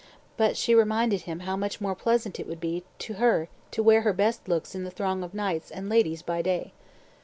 But she reminded him how much more pleasant it would be to her to wear her best looks in the throng of knights and ladies by day.